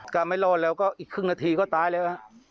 ก็ไม่รอดแล้วก็อีกครึ่งนาทีก็ตายแล้วฮะ